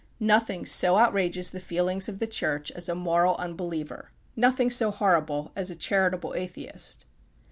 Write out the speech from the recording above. Nothing so outrages the feelings of the Church as a moral unbeliever nothing so horrible as a charitable Atheist.